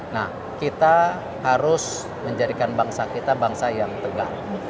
nah kita harus menjadikan bangsa kita bangsa yang tegak